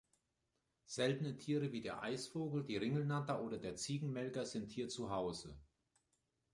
Seltene Tiere wie der Eisvogel, die Ringelnatter oder der Ziegenmelker sind hier zu Hause.